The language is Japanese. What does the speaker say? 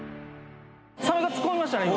サメが突っ込みましたね